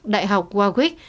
đại học warwick